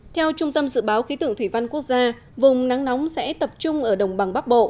theo trung tâm dự báo khí tượng thủy văn quốc gia vùng nắng nóng sẽ tập trung ở đồng bằng bắc bộ